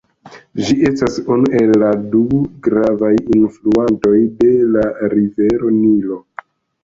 Ĝi estas unu el la du gravaj alfluantoj de la Rivero Nilo.